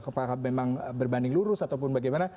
apakah memang berbanding lurus ataupun bagaimana